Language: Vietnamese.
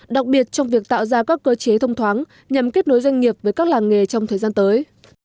đặc biệt trong việc tạo ra các cơ chế thông thoáng nhằm kết nối doanh nghiệp với các làng nghề trong thời gian tới